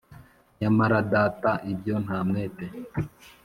nyamara data ibyo nta mwete,